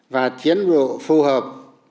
và tiến bộ phù hợp